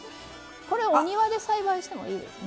お庭で栽培してもいいですね。